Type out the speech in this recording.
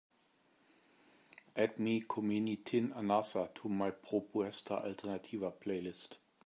add Me Kommeni Tin Anasa to my propuesta alternativa playlist